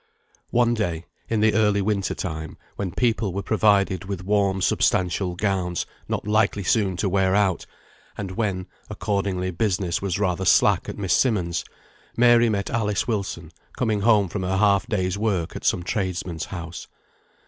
One day, in the early winter time, when people were provided with warm substantial gowns, not likely soon to wear out, and when, accordingly, business was rather slack at Miss Simmonds', Mary met Alice Wilson, coming home from her half day's work at some tradesman's house.